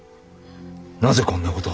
なぜこんな事を？